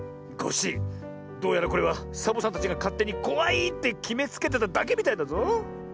コッシーどうやらこれはサボさんたちがかってにこわいってきめつけてただけみたいだぞ。